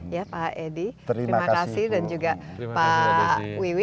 ya pak edi terima kasih dan juga pak wiwi